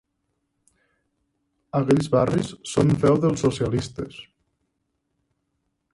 Aquells barris són feu dels socialistes.